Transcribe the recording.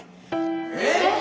えっ⁉